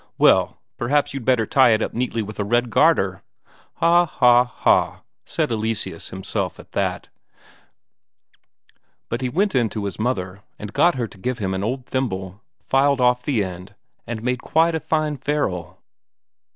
Well, perhaps you'd rather tie it up neatly with a red garter?" "Ha ha ha," said Eleseus himself at that; but he went in to his mother, and got her to give him an old thimble, filed off the end, and made quite a fine ferrule.